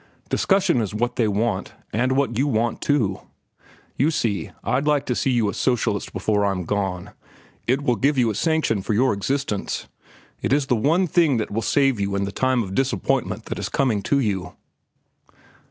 Discussion is what they want, and what you want, too. You see, I'd like to see you a socialist before I'm gone. It will give you a sanction for your existence. It is the one thing that will save you in the time of disappointment that is coming to you."